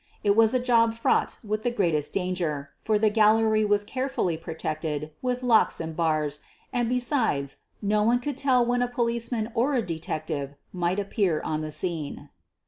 It was a job fraught with the greatest danger, for the gallery was carefully protected with locks and bars and, besides, no one could tell when a policeman or de tective might appear on the scene.